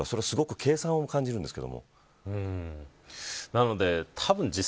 計算を感じるんですけど。